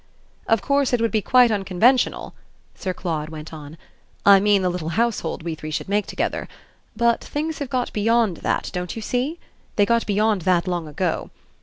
"Of course it would be quite unconventional," Sir Claude went on "I mean the little household we three should make together; but things have got beyond that, don't you see? They got beyond that long ago.